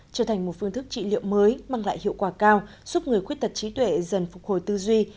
trở thành một phương thức trị liệu mới mang lại hiệu quả cao giúp người khuyết tật trí tuệ dần phục hồi tư duy